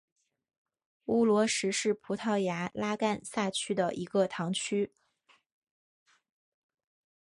乌罗什是葡萄牙布拉干萨区的一个堂区。